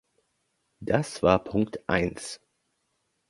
Das war Punkt eins.